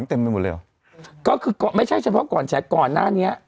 ไปหมดแล้วก็คือไม่ใช่เฉพาะก่อนแชร์ก่อนหน้าเนี้ย